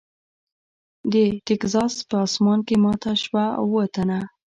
د ټیکساس په اسمان کې ماته شوه او اووه تنه .